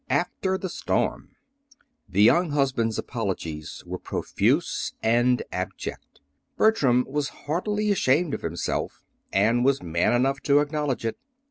AFTER THE STORM The young husband's apologies were profuse and abject. Bertram was heartily ashamed of himself, and was man enough to acknowledge it.